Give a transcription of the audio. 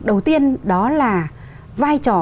đầu tiên đó là vai trò